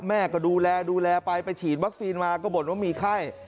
แม่ก็ดูแลดูแลไปไปฉีดวัคซีนมาก็บ่นว่ามีไข้